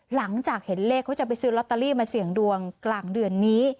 หลังจากเห็นเลขเขาจะไปซื้อลอตเตอรี่มาเสี่ยงดวงกลางเดือนนี้